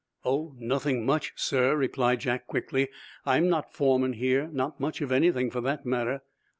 "Oh, nothing much, sir," replied Jack, quickly. "I'm not foreman here, nor much of anything, for that matter."